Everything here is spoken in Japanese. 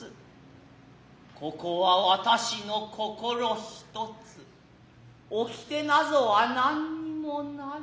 ここは私の心一つ掟なぞは何にもない。